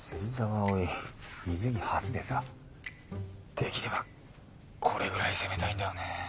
できればこれぐらい攻めたいんだよね。